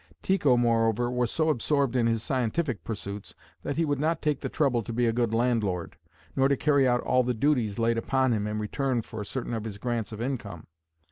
Tycho moreover was so absorbed in his scientific pursuits that he would not take the trouble to be a good landlord, nor to carry out all the duties laid upon him in return for certain of his grants of income.